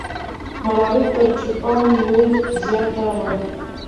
ملالۍ تر چوپان لور زیاته وه.